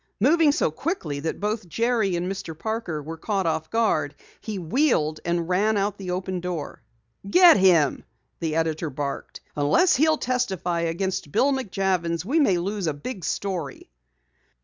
Moving so quickly that both Jerry and Mr. Parker were caught off guard, he wheeled and ran out the open door. "Get him!" the editor barked. "Unless he'll testify against Bill McJavins we may lose a big story!"